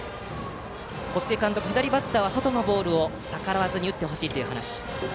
小菅監督は左バッターは外のボールを逆らわず打ってほしいという話。